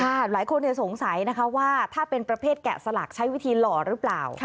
หลายคนสงสัยนะคะว่าถ้าเป็นประเภทแกะสลักใช้วิธีหล่อหรือเปล่า